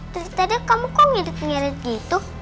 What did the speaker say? dari tadi kamu kok ngirit ngirit gitu